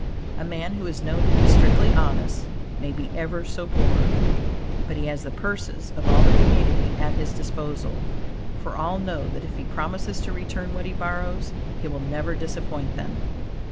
A man who is known to be strictly honest, may be ever so poor, but he has the purses of all the community at his disposal for all know that if he promises to return what he borrows, he will never disappoint them.